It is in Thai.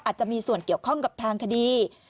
อาจจะมีส่วนเกี่ยวข้องกับทางคดี